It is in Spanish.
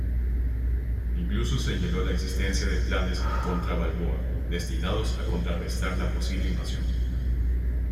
Incluso señaló la existencia de planes "contra-Balboa", destinados a contrarrestar la posible invasión.